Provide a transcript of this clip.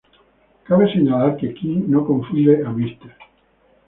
Cabe señalar que King no confunde a Mr.